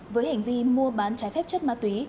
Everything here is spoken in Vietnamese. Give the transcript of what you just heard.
với hành vi mua bán trái phép chất ma túy